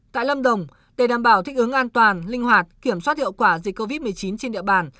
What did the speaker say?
tại lâm đồng để đảm bảo thích ứng an toàn linh hoạt kiểm soát hiệu quả dịch covid một mươi chín trên địa bàn